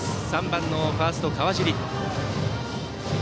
３番ファースト、川尻。